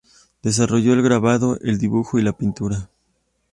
Desarrolla el grabado, el dibujo y la pintura.